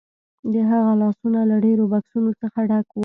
د هغه لاسونه له ډیرو بکسونو څخه ډک وو